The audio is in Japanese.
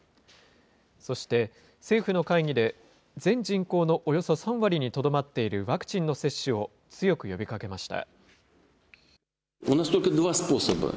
そして政府の会議で、全人口のおよそ３割にとどまっているワクチンの接種を強く呼びかけました。